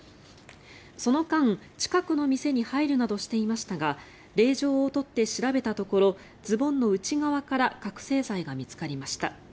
その間、近くの店に入るなどしていましたが令状を取って調べたところズボンの内側から覚醒剤が見つかりました。